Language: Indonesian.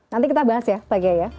nanti kita bahas ya pak gaya